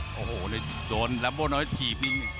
โอ้โหโจรแรมโบน้อยถีบนิดนึง